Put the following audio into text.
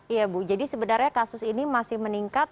iya bu jadi sebenarnya kasus ini masih meningkat